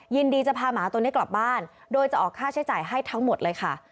ยินดีจะพาหมาตัวนี้กลับบ้านโดยจะออกค่าใช้จ่ายให้ทั้งหมดเลยค่ะ